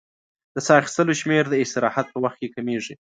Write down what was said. د سا اخیستلو شمېر د استراحت په وخت کې کمېږي.